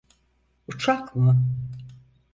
Uçak mı?